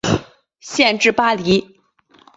县治巴黎。